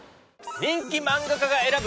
『人気漫画家が選ぶ！』。